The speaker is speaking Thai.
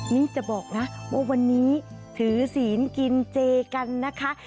นี่จะบอกนะว่าวันนี้ถือศีลกินเจกันนะคะ